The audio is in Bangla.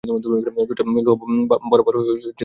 দুইটা লোহা বরাবর পাতা কেন?